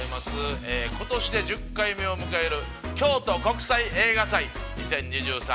◆ことしで１０回目を迎える、「京都国際映画祭２０２３